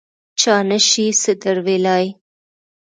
چا نه شي څه در ویلای.